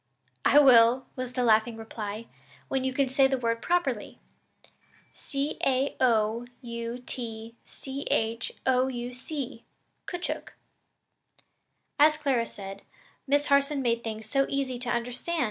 "I will," was the laughing reply, "when you can say the word properly. C a o u t c h o u c koochook." As Clara said, Miss Harson made things so easy to understand!